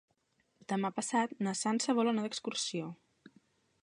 Demà passat na Sança vol anar d'excursió.